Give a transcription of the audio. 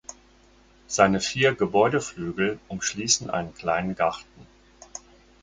Seine vier Gebäudeflügel umschließen einen kleinen Garten.